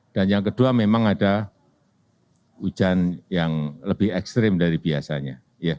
dan yang kedua memang ada hujan yang lebih ekstrim dari biasanya